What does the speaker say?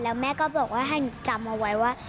แล้วแม่ก็บอกว่าให้หนูจำเอาไว้ว่า